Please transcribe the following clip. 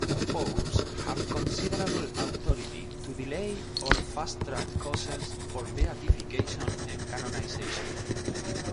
Popes have considerable authority to delay or fast track causes for beatification and canonization.